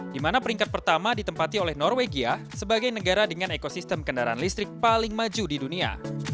di mana peringkat pertama ditempati oleh norwegia sebagai negara dengan ekosistem kendaraan listrik paling maju di dunia